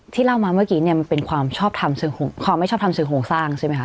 ที่เล่ามาเมื่อกี้มันเป็นความไม่ชอบทำสื่อโฮงสร้างใช่ไหมคะ